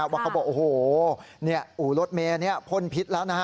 ว่าเขาบอกโอ้โหอู่รถเมย์นี้พ่นพิษแล้วนะฮะ